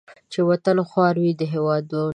چې وطن خوار وي د هیوادونو